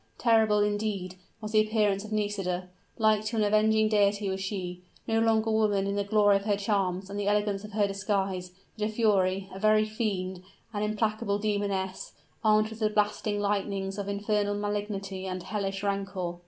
Terrible, indeed, was the appearance of Nisida! Like to an avenging deity was she no longer woman in the glory of her charms and the elegance of her disguise, but a fury a very fiend, an implacable demoness, armed with the blasting lightnings of infernal malignity and hellish rancor!